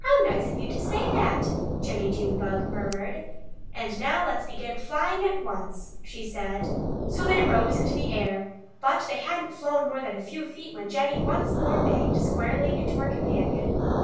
"How nice of you to say that!" Jennie Junebug murmured. "And now let's begin flying at once!" she said. So they rose into the air. But they hadn't flown more than a few feet when Jennie once more banged squarely into her companion.